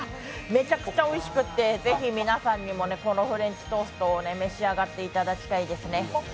めちゃくちゃおいしくてぜひ皆さんにもこのフレンチトーストを召し上がっていただきたいですね。